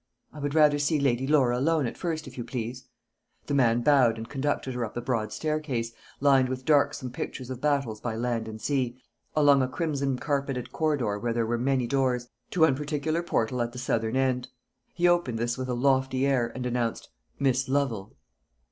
"I would rather see Lady Laura alone at first, if you please." The man bowed, and conducted her up a broad staircase, lined with darksome pictures of battles by land and sea, along a crimson carpeted corridor where there were many doors, to one particular portal at the southern end. He opened this with a lofty air, and announced "Miss Lovel."